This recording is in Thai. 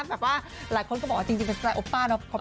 แบบว่าหลายคนก็บอกว่าจริงเป็นสไลโอป้าเนอะ